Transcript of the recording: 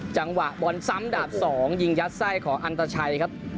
จังหวะบอลซ้ำดาบ๒ยิงยัดไส้ของอันตชัยครับ